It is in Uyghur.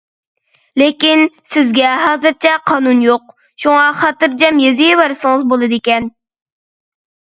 لېكىن سىزگە ھازىرچە قانۇن يوق، شۇڭا خاتىرجەم يېزىۋەرسىڭىز بولىدىكەن.